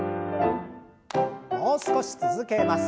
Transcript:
もう少し続けます。